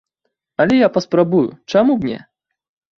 Але я паспрабую, чаму б не?!